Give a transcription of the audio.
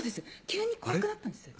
急に怖くなったんです